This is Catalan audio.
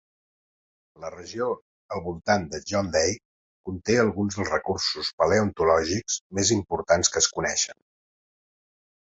La regió al voltant de John Day conté alguns dels recursos paleontològics més importants que es coneixen.